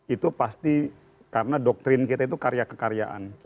itu pasti karena doktrin kita itu karya kekaryaan